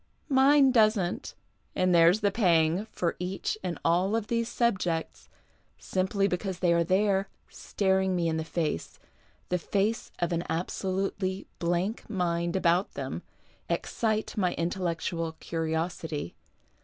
Mine doesn't — and there's the pang, for each and all these subjects, simply because they are there, staring me in the face, the face of an abso lutely blank mind about them, excite my intellectual curiosity.